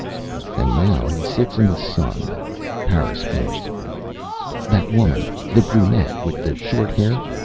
"And now he sits in the sun," Harris finished. "That woman. The brunette, with the short hair.